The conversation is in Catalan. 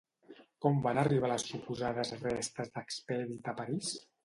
Com van arribar les suposades restes d'Expedit a París?